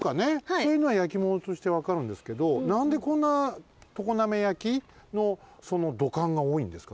そういうのは焼き物としてわかるんですけどなんでこんな常滑焼？のその土管がおおいんですかね？